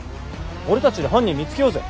俺たちで犯人見つけようぜ。